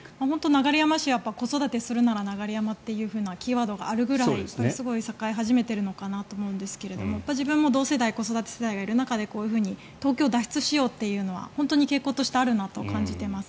流山市は子育てするなら流山というキーワードがあるぐらい栄え始めているのかなと思うんですが自分も同世代子育て世代がいる中で東京を脱出しようというのは本当に傾向としてあるなと感じています。